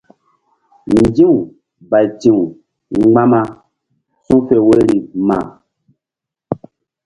Nzi̧w bayti̧w mgbama su̧fe woyri ma.